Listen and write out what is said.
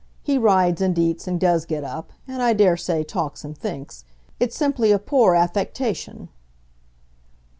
He rides and eats, and does get up, and I daresay talks and thinks. It's simply a poor affectation."